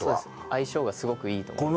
相性がすごくいいと思います